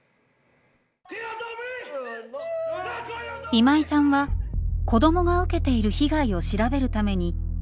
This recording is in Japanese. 今井さんは子どもが受けている被害を調べるためにイラクに渡航。